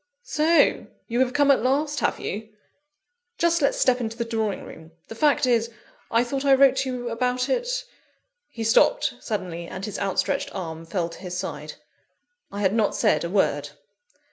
"So you have come at last, have you? Just let's step into the drawing room: the fact is I thought I wrote to you about it ?" He stopped suddenly, and his outstretched arm fell to his side. I had not said a word.